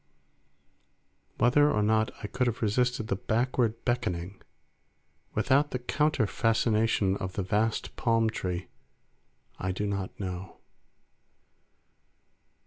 Whether or not I could have resisted the backward beckoning without the counter fascination of the vast palm tree, I do not know.